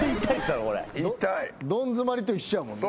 どん詰まりと一緒やもんな。